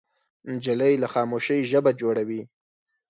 نجلۍ له خاموشۍ ژبه جوړوي.